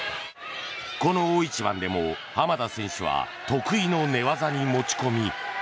この大一番でも濱田選手は得意の寝技に持ち込み。